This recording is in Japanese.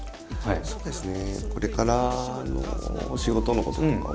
そうですね。